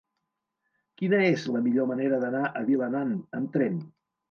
Quina és la millor manera d'anar a Vilanant amb tren?